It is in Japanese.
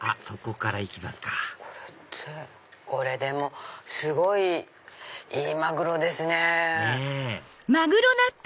そこから行きますかこれすごいいいマグロですね。ねぇ！